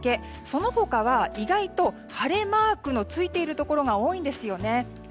その他は意外と晴れマークのついているところが多いんですよね。